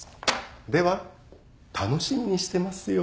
では楽しみにしてますよ。